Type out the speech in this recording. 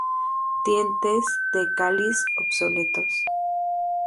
Dientes del cáliz obsoletos.